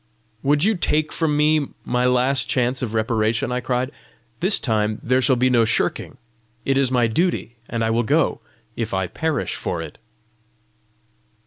"Would you take from me my last chance of reparation?" I cried. "This time there shall be no shirking! It is my duty, and I will go if I perish for it!"